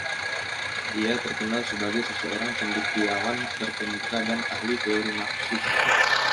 Dia terkenal sebagai seorang cendekiawan terkemuka dan ahli teori Marxist.